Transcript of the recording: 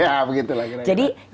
ya begitu lah kira kira